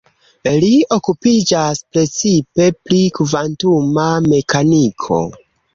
Li okupiĝas precipe pri kvantuma mekaniko.